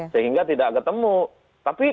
sehingga tidak ketemu tapi